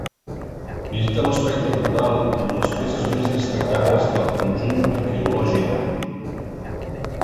Visita l'espai temporal amb les peces més destacades del conjunt arqueològic.